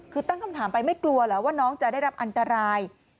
คือตั้งคำถามไปไม่กลัวเหรอว่าน้องจะได้รับอันตราย